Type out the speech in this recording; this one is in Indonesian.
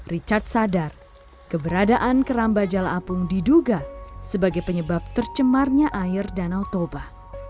richard sadar keberadaan keramba jala apung diduga sebagai penyebab tercemarnya air danau toba